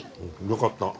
よかった。